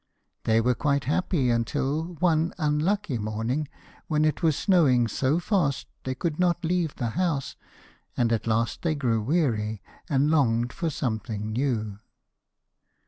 They were quite happy until one unlucky morning when it was snowing so fast they could not leave the house, and at last they grew weary, and longed for something new.